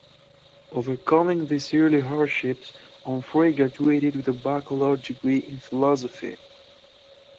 Overcoming these early hardships, Onfray graduated with a Bachelor's degree in philosophy.